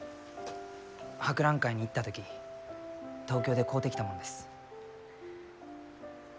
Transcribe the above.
博覧会に行った時東京で買うてきたもんです。